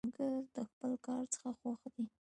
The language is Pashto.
کروندګر د خپل کار څخه خوښ دی